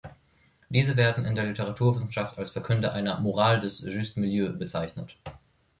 Diese werden in der Literaturwissenschaft als Verkünder einer „Moral des juste milieu“ bezeichnet.